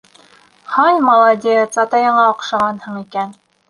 — Һай, молодец, атайыңа оҡшағанһың икән.